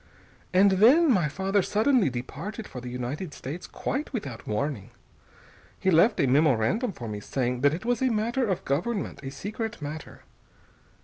And then my father suddenly departed for the United States, quite without warning. He left a memorandum for me, saying that it was a matter of government, a secret matter.